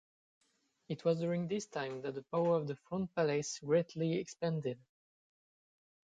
It was during this time that the power of the Front Palace greatly expanded.